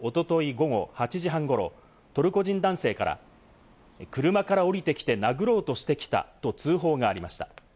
午後８時半ごろ、トルコ人男性から車から降りてきて殴ろうとしてきたと通報がありました。